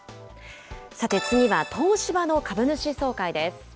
さて、次は東芝の株主総会です。